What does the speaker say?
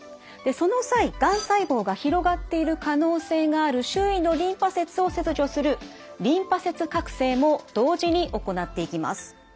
その際がん細胞が広がっている可能性がある周囲のリンパ節を切除するリンパ節郭清も同時に行っていきます。